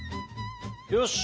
よし！